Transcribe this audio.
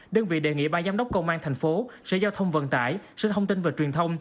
đơn vị đề nghị ba giám đốc công an thành phố sở giao thông vận tải sở thông tin và truyền thông